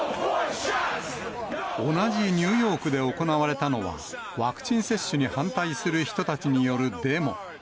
同じニューヨークで行われたのは、ワクチン接種に反対する人たちによるデモ。